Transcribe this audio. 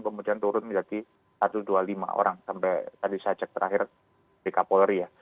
kemudian turun menjadi satu dua puluh lima orang sampai tadi saya cek terakhir di kapolri ya